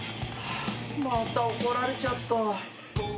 また怒られちゃった。